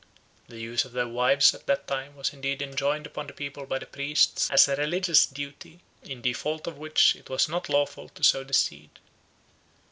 The use of their wives at that time was indeed enjoined upon the people by the priests as a religious duty, in default of which it was not lawful to sow the seed.